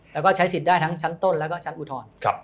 แล้วก็ใช้สิทธิ์ได้ทั้งชั้นต้นแล้วก็ชั้นอุทธรณ์